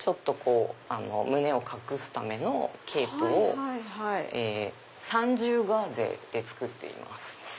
胸を隠すためのケープを３重ガーゼで作っています。